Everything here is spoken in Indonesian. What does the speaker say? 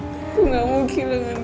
aku gak mau kehilangan dia